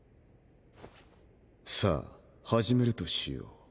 さあ始めるとしよう。